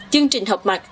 chương trình họp mặt